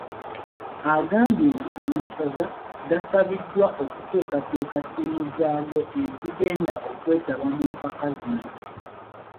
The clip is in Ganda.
Agambye nti amasaza gasabiddwa okuteekateeka ttiimu zaago ezigenda okwetaba mu mpaka zino .